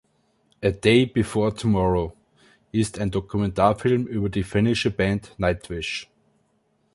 „A Day Before Tomorrow“ ist ein Dokumentarfilm über die finnische Band Nightwish.